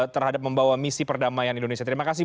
terhadap membawa misi perdamaian indonesia terima kasih